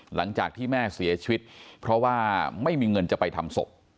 หลังจากที่แม่เสียชีวิตเพราะว่าไม่มีเงินจะไปทำศพ